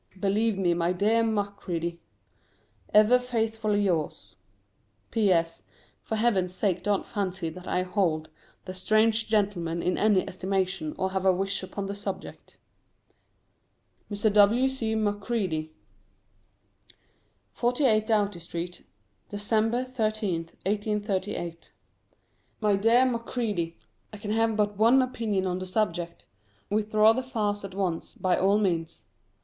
Believe me, my dear Macready, Ever faithfully yours. P.S. For Heaven's sake don't fancy that I hold "The Strange Gentleman" in any estimation, or have a wish upon the subject. [Sidenote: Mr. W. C Macready.] 48, DOUGHTY STREET, December 13th, 1838. MY DEAR MACREADY, I can have but one opinion on the subject withdraw the farce at once, by all means.